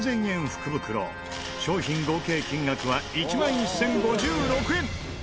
福袋商品合計金額は１万１０５６円。